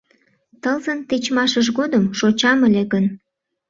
Тылзын тичмашыж годым шочам ыле гын